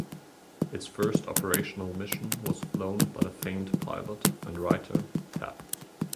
Its first operational mission was flown by the famed pilot and writer, Cap.